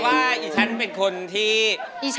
อายุ๒๔ปีวันนี้บุ๋มนะคะ